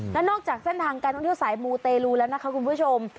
แล้วนอกจากเส้นทางการท่องเที่ยวสายมูเตลูแล้วนะคะคุณผู้ชม